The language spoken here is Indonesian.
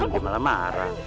dia malah marah